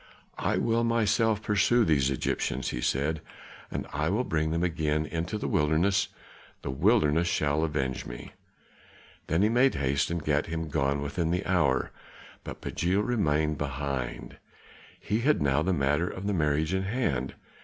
"I will myself pursue these Egyptians," he said, "and I will bring them again into the wilderness; the wilderness shall avenge me." Then he made haste and gat him gone within the hour, but Pagiel remained behind; he had now the matter of the marriage in hand.